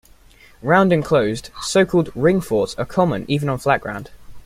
Round and closed, so called, "ring forts" are common even on flat ground.